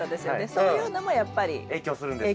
そういうのもやっぱり。影響するんですね。